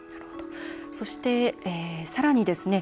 そして、さらにですね